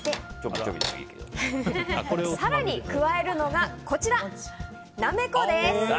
更に加えるのが、なめこです。